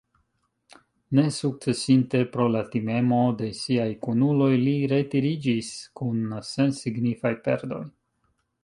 Nesukcesinte pro la timemo de siaj kunuloj, li retiriĝis kun sensignifaj perdoj.